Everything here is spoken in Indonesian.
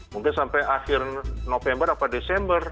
mungkin sampai akhir november atau desember